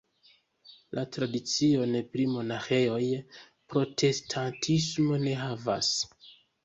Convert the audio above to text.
La tradicion pri Monaĥoj protestantismo ne havas.